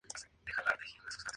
Canciones extra